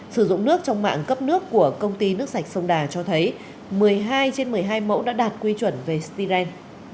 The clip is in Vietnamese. sử dụng nước trong mạng cấp nước của công ty nước sạch sông đà cho thấy một mươi hai trên một mươi hai mẫu đã đạt quy chuẩn về styren